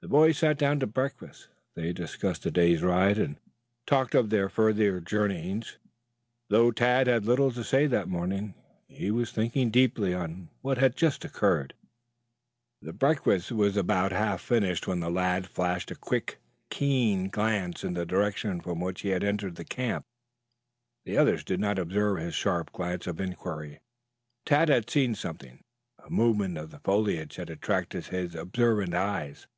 The boys sat down to breakfast. They discussed the day's ride and talked of their further journeyings, though Tad had little to say that morning. He was thinking deeply on what had just occurred. The breakfast was about half finished when the lad flashed a quick, keen glance in the direction from which he had entered the camp. The others did not observe his sharp glance of inquiry. Tad had seen something. A movement of the foliage had attracted his observant eyes.